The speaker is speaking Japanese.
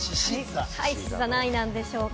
何位でしょうか？